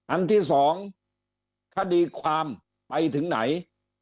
อันที่๒คดีความไปถึงไหน